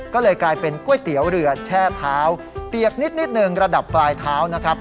ก็เลยกลายเป็นก๋วยเตี๋ยวเรือแช่เท้าเปียกนิดหนึ่งระดับปลายเท้านะครับ